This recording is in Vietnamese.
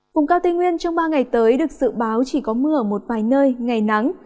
vùng cao tây nguyên trong ba ngày tới được dự báo chỉ có mưa ở một vài nơi ngày nắng